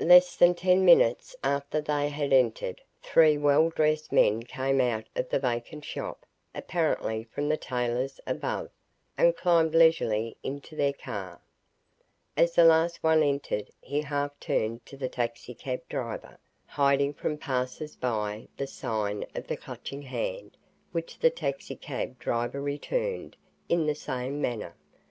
Less than ten minutes after they had entered, three well dressed men came out of the vacant shop, apparently from the tailor's above, and climbed leisurely into their car. As the last one entered, he half turned to the taxicab driver, hiding from passers by the sign of the Clutching Hand which the taxicab driver returned, in the same manner.